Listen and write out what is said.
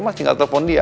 mas tinggal telepon dia